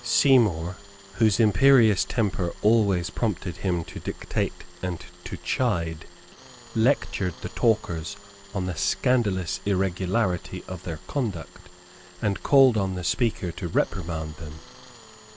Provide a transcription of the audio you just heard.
Seymour, whose imperious temper always prompted him to dictate and to chide, lectured the talkers on the scandalous irregularity of their conduct, and called on the Speaker to reprimand them.